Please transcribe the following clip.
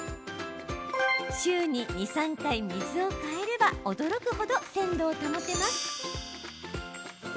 週に２、３回、水を換えれば驚くほど鮮度を保てます。